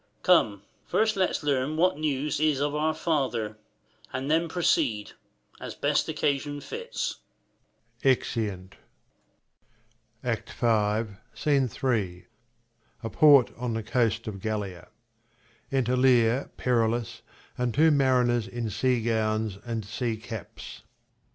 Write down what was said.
Come, first let's learn what news is of our father, 109 And then proceed, as best occasion fits. {Exeunt. 8o KING LEIR AND [ACT V SCENE III. A port on the coast of Gallia. Enter Leir, Perillus, and two mariners in sea gowns and sea caps.